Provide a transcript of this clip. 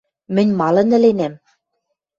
Мӹнь малын ӹленӓм?